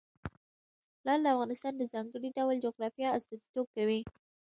لعل د افغانستان د ځانګړي ډول جغرافیه استازیتوب کوي.